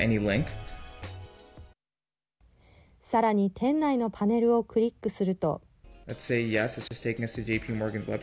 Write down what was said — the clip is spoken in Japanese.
さらに店内のパネルをクリックすると。